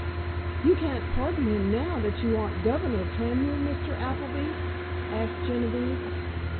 "You can't pardon him now that you aren't governor, can you, Mr. Appleby?" asked Genevieve.